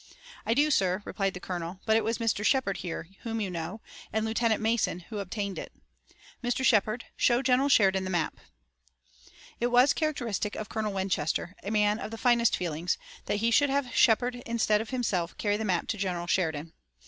"I do, sir," replied the colonel, "but it was Mr. Shepard here, whom you know, and Lieutenant Mason who obtained it. Mr. Shepard, show General Sheridan the map." It was characteristic of Colonel Winchester, a man of the finest feelings, that he should have Shepard instead of himself carry the map to General Sheridan.